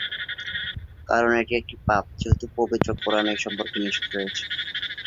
কারণ এটি একটি পাপ, যেহেতু, পবিত্র কোরআনে এ সম্পর্কে নিষেধ রয়েছে।